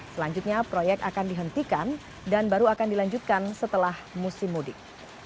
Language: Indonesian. selanjutnya proyek akan dihentikan dan baru akan dilanjutkan setelah musim mudik